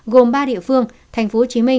gồm ba địa phương tp hcm